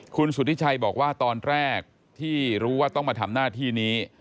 คุณสุธิชัยบอกว่าตอนแรกที่รู้ว่าต้องมาทำหน้าที่นี้